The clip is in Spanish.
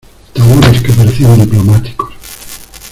tahúres que parecían diplomáticos